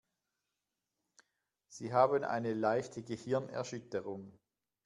Sie haben eine leichte Gehirnerschütterung.